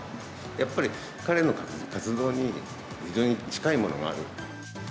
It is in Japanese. やっぱり彼の活動に非常に近いものがあると。